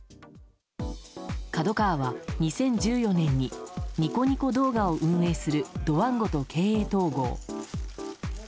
ＫＡＤＯＫＡＷＡは２０１４年にニコニコ動画を運営するドワンゴと経営統合。